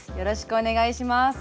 お願いします。